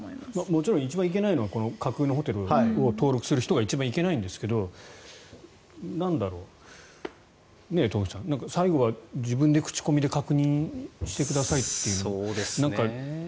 もちろん一番いけないのは架空のホテルを登録する人が一番いけないですが、東輝さん最後は自分で口コミで確認してくださいという。